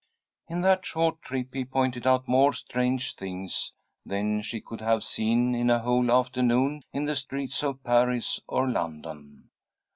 In that short trip he pointed out more strange things than she could have seen in a whole afternoon in the streets of Paris or London.